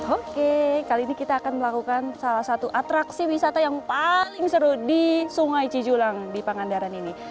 oke kali ini kita akan melakukan salah satu atraksi wisata yang paling seru di sungai cijulang di pangandaran ini